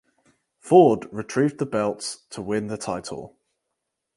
Ford retrieved the belts to win the title.